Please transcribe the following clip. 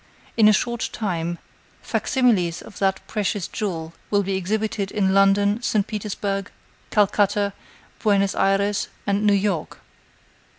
In a short time, fac similes of that precious jewel will be exhibited in London, St. Petersburg, Calcutta, Buenos Ayres and New York.